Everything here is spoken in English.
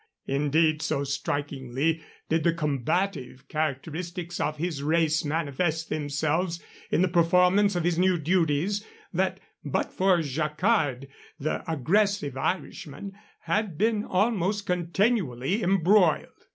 Indeed, so strikingly did the combative characteristics of his race manifest themselves in the performance of his new duties that but for Jacquard the aggressive Irishman had been almost continually embroiled.